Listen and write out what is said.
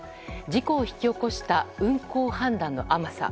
事故を引き起こした運航判断の甘さ。